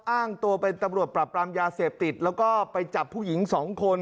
อ้างตัวเป็นตำรวจปรับปรามยาเสพติดแล้วก็ไปจับผู้หญิงสองคน